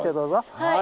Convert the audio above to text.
はい。